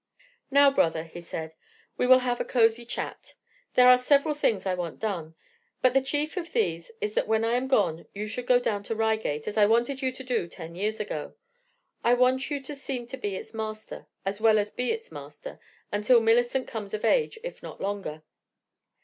"Now, brother," he said, "we will have a cozy chat. There are several things I want done, but the chief of these is that when I am gone you should go down to Reigate, as I wanted you to do ten years ago. I want you to seem to be its master, as well as be its master, until Millicent comes of age, if not longer.